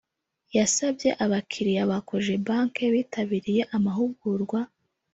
yasabye abakiliya ba Cogebanque bitabiriye amahugurwa